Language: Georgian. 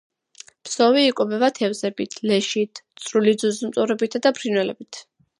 ფსოვი იკვებება თევზებით, ლეშით, წვრილი ძუძუმწოვრებითა და ფრინველებით.